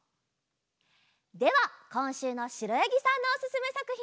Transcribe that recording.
ではこんしゅうのしろやぎさんのおすすめさくひんです。